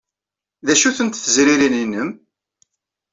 D acu-tent tezririn-nnem?